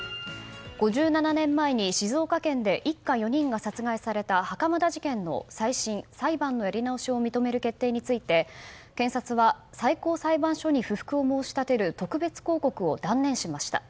５７年前に静岡県で一家４人が殺害された袴田事件の再審、裁判のやり直しを認める決定について、検察は最高裁判所に不服を申し立てる特別抗告を断念しました。